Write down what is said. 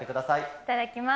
いただきます。